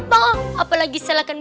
apalagi salahkan bu messi ya kan